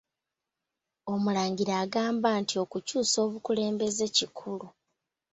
Omulangira agamba nti okukyusa obukulembeze kikulu